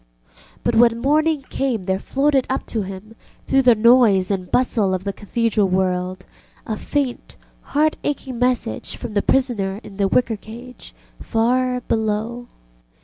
But when morning came there floated up to him, through the noise and bustle of the Cathedral world, a faint heart aching message from the prisoner in the wicker cage far below.